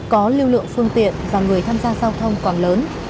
có lưu lượng phương tiện và người tham gia giao thông còn lớn